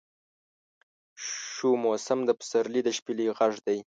شو موسم د پسرلي د شپیلۍ غږدی